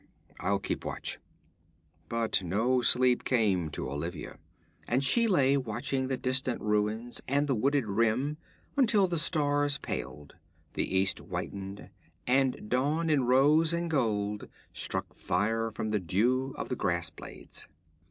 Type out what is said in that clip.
'I'll keep watch.' But no sleep came to Olivia, and she lay watching the distant ruins and the wooded rim until the stars paled, the east whitened, and dawn in rose and gold struck fire from the dew on the grass blades.